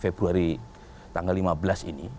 februari tanggal lima belas ini